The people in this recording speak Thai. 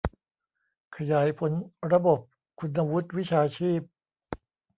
ขยายผลระบบคุณวุฒิวิชาชีพ